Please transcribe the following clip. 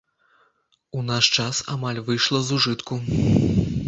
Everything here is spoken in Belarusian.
У наш час амаль выйшла з ужытку.